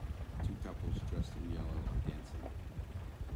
Two couples dressed in yellow are dancing.